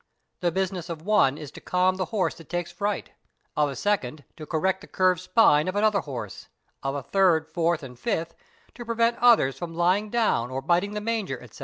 The business of one is to calm the horse that takes fright, of a second to correct the curved spine of another horse, of a third, fourth, and fifth to prevent others from lying down or biting the manger, etc.